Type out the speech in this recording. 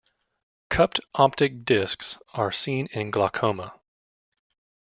Cupped optic discs are seen in glaucoma.